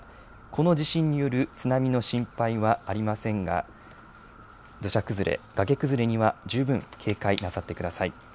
この地震による津波の心配はありませんが、土砂崩れ、崖崩れには、十分警戒なさってください。